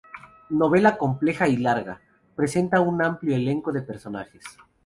Novela compleja y larga, presenta un amplio elenco de personajes.